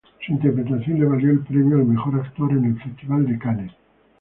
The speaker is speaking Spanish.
Su interpretación le valió el premio al mejor actor en el Festival de Cannes.